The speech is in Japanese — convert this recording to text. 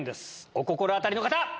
お心当たりの方！